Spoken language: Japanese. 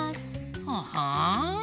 ほほん。